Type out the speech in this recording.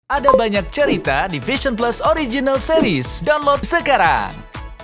ada banyak cerita di vision plus original series download sekarang